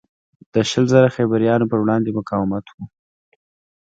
د شل زره خیبریانو پروړاندې مقاومت و.